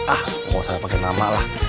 ah nggak usah pakai nama lah